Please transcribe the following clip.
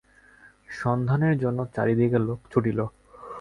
সন্ধানের জন্য চারি দিকে লোক ছুটিল।